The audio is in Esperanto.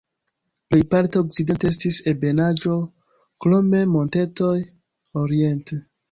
Plejparte okcidente estis ebenaĵo, krome montetoj oriente.